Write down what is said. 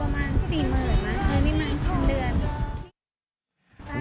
ก็เขียนอีกของกันเดียวประมาณ๔๐๐๐๐บาทไม่มีมากทั้งเดือน